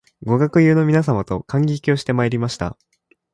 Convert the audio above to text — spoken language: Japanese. ご学友の皆様と観劇をしてまいりました